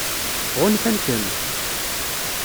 Ɣunfan-kem?